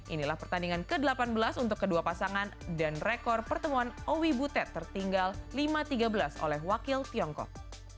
inilah pertandingan ke delapan belas untuk kedua pasangan dan rekor pertemuan owi butet tertinggal lima tiga belas oleh wakil tiongkok